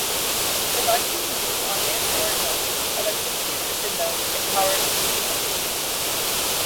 The bike can be used on man-powered mode, electricity-assisted mode and power-assisted mode.